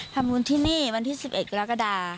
ทำบุญที่นี่วันที่๑๑กรกฎา